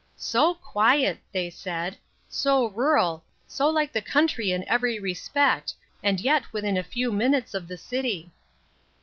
"So quiet," they said, "so rural, so like the country in every respect, and yet within a few minutes of the city."